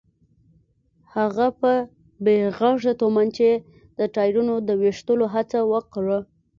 هغې په بې غږه تومانچې د ټايرونو د ويشتلو هڅه وکړه.